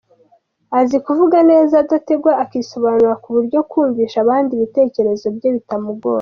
Azi kuvuga neza adategwa akisobanura ku buryo kumvisha abandi ibitekerezo bye bitamugora.